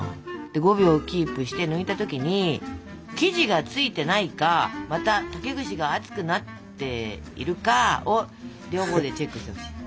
で５秒キープして抜いた時に生地がついてないかまた竹串が熱くなっているかを両方でチェックしてほしい。